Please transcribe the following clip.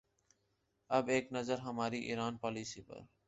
اب ایک نظر ہماری ایران پالیسی پر۔